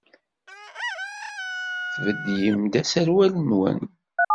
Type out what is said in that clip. Tbeddlem-d aserwal-nwen?